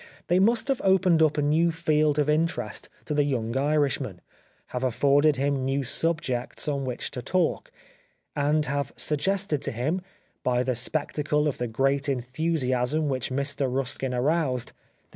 They must have opened up a new field of interest to the young Irishman, have afforded him new subjects on which to talk, and have suggested to him, by the spectacle of the great enthusiasm which Mr Ruskin aroused, the.